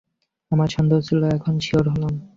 আমার সন্দেহ হচ্ছিল, এখন শিওর হলাম।